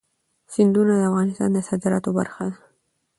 سیندونه د افغانستان د صادراتو برخه ده.